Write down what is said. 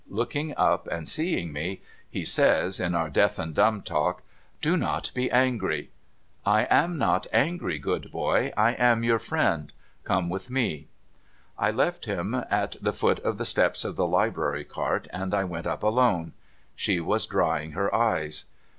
Looking up and seeing me, he says, in our deaf and dumb talk, ' Do not be angry.' ' I am not angry, good boy. I am your friend. Come with me.' I left him at the foot of the steps of the Library Cart, and I went np alone. She was drying her eyes.